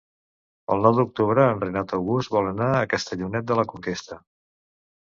El nou d'octubre en Renat August vol anar a Castellonet de la Conquesta.